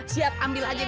siap ambil aja